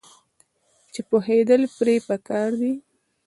چې پوهیدل پرې پکار دي.